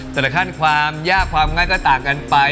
แต่ละขั้นความยากความง่ายก็ต่างกันไป